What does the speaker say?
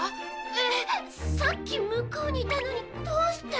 えっさっき向こうにいたのにどうして？